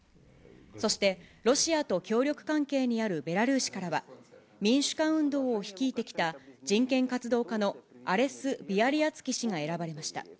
そして、ロシアと協力関係にあるベラルーシからは、民主化運動を率いてきた人権活動家のアレス・ビアリアツキ氏が選ばれました。